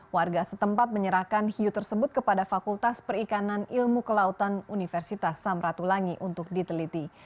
warga setempat menyerahkan hiu tersebut kepada fakultas perikanan ilmu kelautan universitas samratulangi untuk diteliti